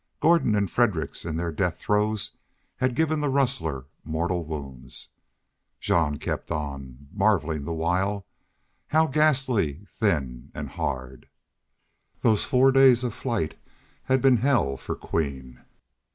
Gordon and Fredericks in their death throes had given the rustler mortal wounds. Jean kept on, marveling the while. How ghastly thin and hard! Those four days of flight had been hell for Queen.